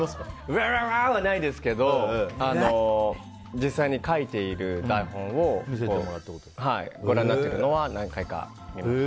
うわわーはないですけど実際に書いている台本をご覧になっているのは何回か見ました。